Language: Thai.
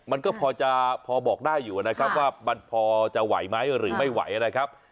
มันก็พอบอกได้อยู่นะครับว่ามันพอจะไหวไหมหรือไม่ไหวนะครับ